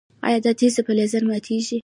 ایا دا تیږه په لیزر ماتیږي؟